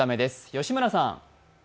吉村さん。